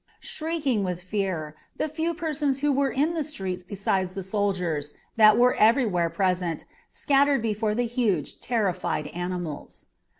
Shrieking with fear, the few persons who were in the street besides the soldiers, that were everywhere present, scattered before the huge, terrified animals.